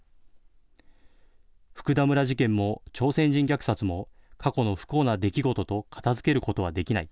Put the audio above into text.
福田村事件も朝鮮人虐殺も過去の不幸な出来事と片づけることはできない。